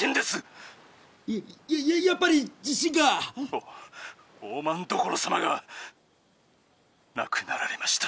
「お大政所様が亡くなられました」。